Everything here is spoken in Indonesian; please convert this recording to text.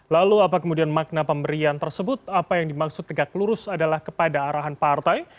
lalu apa kemudian makna pemberian tersebut apa yang dimaksud tegak lurus adalah kepada arahan partai